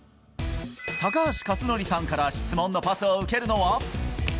高橋克典さんから質問のパスを受けるのは。